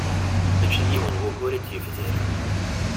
Mačči d yiwen wugur i d-yebder.